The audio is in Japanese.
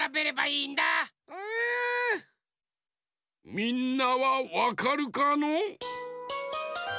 みんなはわかるかの？